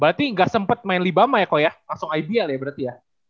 berarti gak sempet main libama ya kok ya langsung ibl ya berarti ya